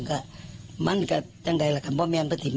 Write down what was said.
ค่อนหวัดดีใกล้ไว้อังสิละมาวัดหน้าจับได้เท